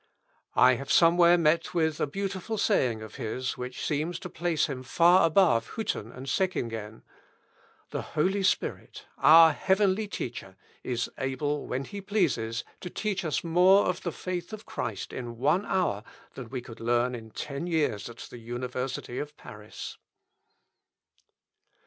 I have somewhere met with a beautiful saying of his, which seems to place him far above Hütten and Seckingen. "The Holy Spirit, our heavenly Teacher, is able, when he pleases, to teach us more of the faith of Christ in one hour than we could learn in ten years at the University of Paris."